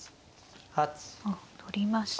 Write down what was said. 取りました。